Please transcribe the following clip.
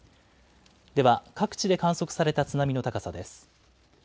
では各地で観測された津波の高さです。